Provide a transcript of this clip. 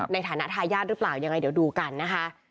ในฐานะทายาทหรือเปล่ายังไงเดี๋ยวดูกันนะคะ